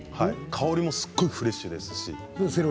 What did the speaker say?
香りもすごいフレッシュですし。